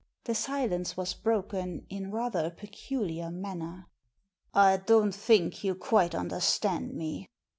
The silence was broken in rather a peculiar manner. " I don't think you quite understand me."